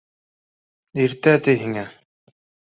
— Иртә, ти, һиңә